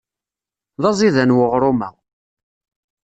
D aẓidan weɣrum-a.